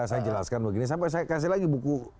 saya jelaskan begini sampai saya kasih lagi buku